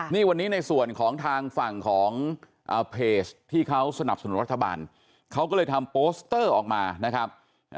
นี่วันนี้ในส่วนของทางฝั่งของเพจที่เขาสนับสนุนรัฐบาลเขาก็เลยทำโปสเตอร์ออกมานะครับ